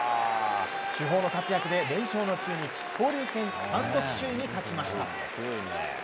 主砲の活躍で連勝の中日交流戦単独首位に立ちました。